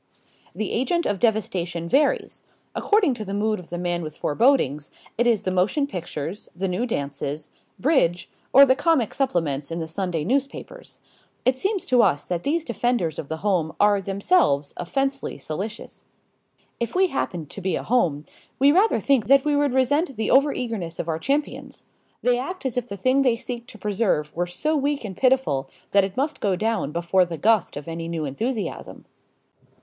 The agent of devastation varies. According to the mood of the man with forebodings, it is the motion pictures, the new dances, bridge, or the comic supplements in the Sunday newspapers. It seems to us that these defenders of the home are themselves offensively solicitous. If we happened to be a home, we rather think that we would resent the overeagerness of our champions. They act as if the thing they seek to preserve were so weak and pitiful that it must go down before the gust of any new enthusiasm.